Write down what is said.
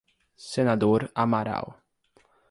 Senador Amaral